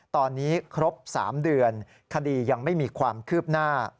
ตอนนี้ครบ๓เดือนคดียังไม่มีความคืบหน้า